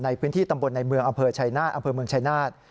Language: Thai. ในพื้นที่ตำบลในเมืองอำเภอชายนาฏอำเภอเมืองชายนาฏ